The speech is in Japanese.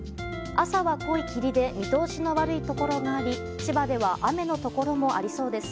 朝は濃い霧で見通しの悪いところがあり千葉では雨のところもありそうです。